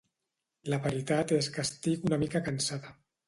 La veritat és que estic una mica cansada.